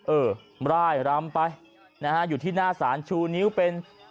เออร่ายรำไปนะฮะอยู่ที่หน้าศาลชูนิ้วเป็น